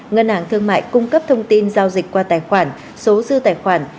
ngân hàng thương mại cung cấp thông tin giao dịch qua tài khoản số dư tài khoản